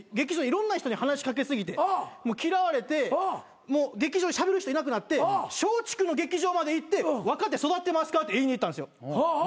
いろんな人に話し掛け過ぎて嫌われてもう劇場でしゃべる人いなくなって松竹の劇場まで行って「若手育ってますか？」って言いに行ったんすよ。